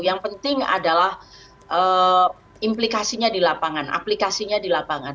yang penting adalah implikasinya di lapangan aplikasinya di lapangan